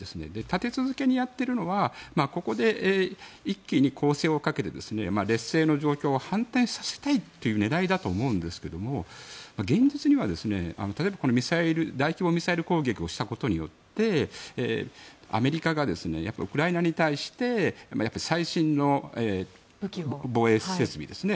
立て続けにやっているのはここで一気に攻勢をかけて劣勢の状況を反転させたいという狙いだと思うんですけども現実には、例えばこの大規模ミサイル攻撃をしたことによってアメリカがウクライナに対して最新の防衛設備ですね